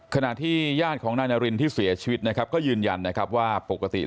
ขณะที่ญาติของนายนารินที่เสียชีวิตนะครับก็ยืนยันนะครับว่าปกติ